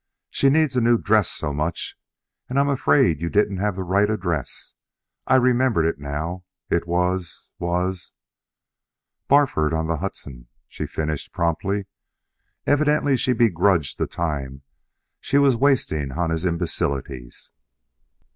She needs a new dress so much, and I'm afraid you didn't have the right address. I remember it now it was was " "Barford on the Hudson," she finished promptly. Evidently she begrudged the time she was wasting on his imbecilities.